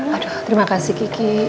aduh terima kasih kiki